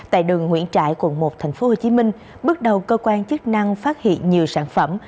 tại đường nguyễn trãi quận một tp hcm bước đầu cơ quan chức năng phát hiện nhiều sản phẩm